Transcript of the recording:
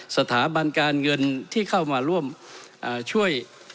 สถาบันการเงินที่เข้ามาร่วมช่วย